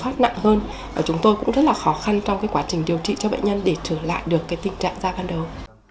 rất là khó khăn trong quá trình điều trị cho bệnh nhân để trở lại được tình trạng da ban đầu